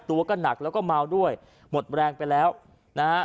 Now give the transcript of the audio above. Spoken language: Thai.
ตัวก็หนักแล้วก็เมาด้วยหมดแรงไปแล้วนะฮะ